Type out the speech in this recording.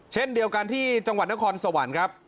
เช่นเดียวกันที่จังหวัดนครสวรรค์ครับ